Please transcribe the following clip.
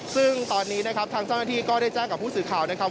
ซึ่งตอนนี้นะครับทางเจ้าหน้าที่ก็ได้แจ้งกับผู้สื่อข่าวนะครับ